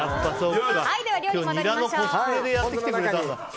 では、料理に戻りましょう。